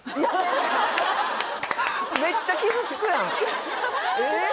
めっちゃ傷つくやんえっ？